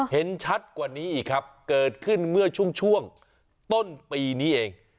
เห็นชัดกว่านี้อีกครับเกิดขึ้นเมื่อช่วงต้นปีนี้เอง